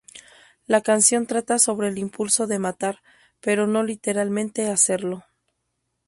La canción trata sobre el impulso de matar, pero no literalmente hacerlo.